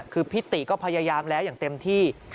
คือพิติก็พยายามแล้วอย่างเต็มที่